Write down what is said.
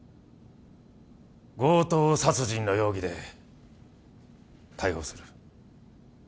強盗殺人の容疑で逮捕する。